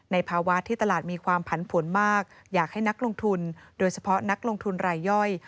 ภาวะที่ตลาดมีความผันผวนมากอยากให้นักลงทุนโดยเฉพาะนักลงทุนรายย่อย